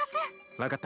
分かった。